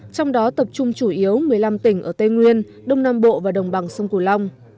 trong đó tập trung chủ yếu một mươi năm tỉnh ở tây nguyên đông nam bộ và đồng bằng sông cửu long